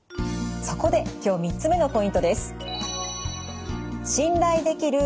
そこで今日３つ目のポイントです。